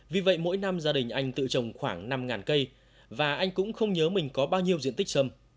vì vậy mỗi năm gia đình anh tự trồng khoảng năm cây và anh cũng không nhớ mình có bao nhiêu diện tích sâm